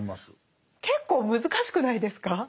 結構難しくないですか？